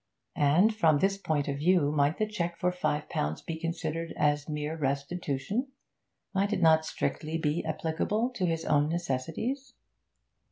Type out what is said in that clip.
And, from this point of view, might the cheque for five pounds be considered as mere restitution? Might it not strictly be applicable to his own necessities?